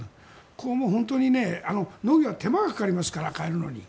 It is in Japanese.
これも本当に農業は手間がかかりますから変えるのに。